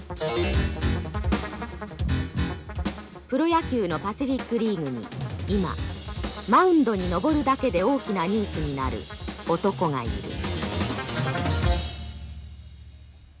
プロ野球のパシフィックリーグに今マウンドに登るだけで大きなニュースになる男がいる。